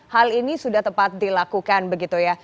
hal ini sudah tepat dilakukan begitu ya